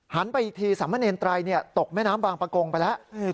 ไปอีกทีสามเณรไตรตกแม่น้ำบางประกงไปแล้ว